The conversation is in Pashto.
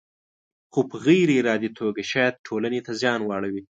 خو په غیر ارادي توګه شاید ټولنې ته زیان واړوي.